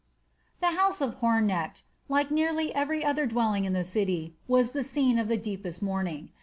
The house of Hornecht, like nearly every other dwelling in the city, was the scene of the deepest mourning.